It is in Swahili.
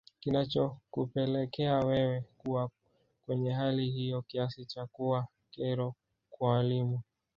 Kinachokupelekea wewe kuwa kwenye hali hiyo kiasi cha kuwa kero kwa walimu